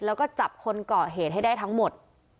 แล้วก็จับคนก่อเหตุให้ได้ทั้งหมด